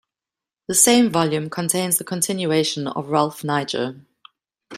The same volume contains the continuation of Ralph Niger.